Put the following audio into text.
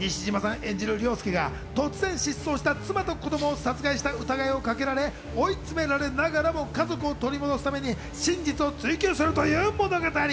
演じる凌介が突然失踪した妻と子供を殺害した疑いをかけられ、追い詰められながらも、家族を取り戻すために真実を追求するという物語。